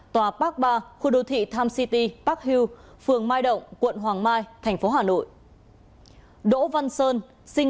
là khu đô thị tham city park hill phường mai động quận hoàng mai thành phố hà nội đỗ văn sơn sinh